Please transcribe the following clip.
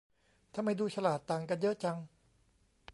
ทำไมดูฉลาดต่างกันเยอะจัง